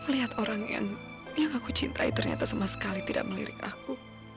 lihat orang yang aku cintai ternyata sama sekali tidak melirik aku